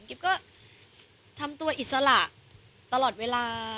ก็ทำตัวอิสระตลอดเวลา